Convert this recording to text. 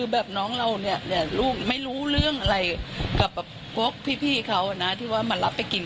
แบบน้องเราเนี่ยลูกไม่รู้เรื่องอะไรกับพวกพี่เขานะที่ว่ามารับไปกิน